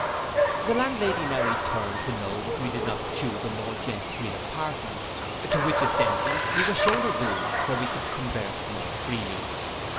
The landlady now returned to know if we did not chuse a more genteel apartment, to which assenting, we were shewn a room, where we could converse more freely.